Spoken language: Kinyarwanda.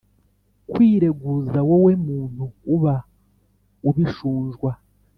kwireguza wowe muntu uba ubishunjwa